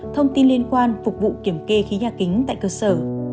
thông tin liên quan phục vụ kiểm kê khí nhà kính tại cơ sở